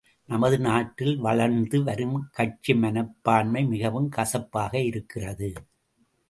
நமது நாட்டில் வளர்ந்து வரும் கட்சி மனப்பான்மை மிகவும் கசப்பாக இருக்கிறது.